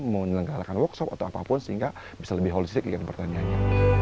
menelenggarakan workshop atau apapun sehingga bisa lebih holistic dengan pertaniannya